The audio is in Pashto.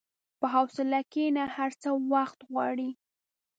په حوصله کښېنه، هر څه وخت غواړي.